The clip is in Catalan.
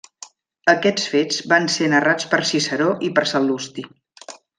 Aquests fets van ser narrats per Ciceró i per Sal·lusti.